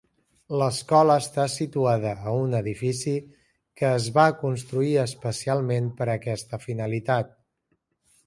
L"escola està situada a un edifici que es va construir especialment per a aquesta finalitat.